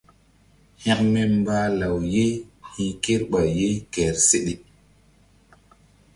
Hekme mbah law ye hi̧ kerɓay ye kehr seɗe.